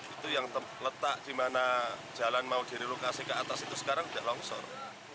itu yang letak dimana jalan mau dirilokasi ke atas itu sekarang tidak longsor